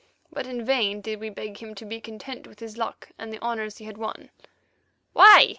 But in vain did we beg him to be content with his luck and the honours he had won. "Why?"